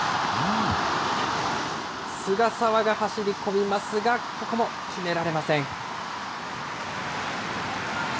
菅澤が走り込みますが、ここも決められません。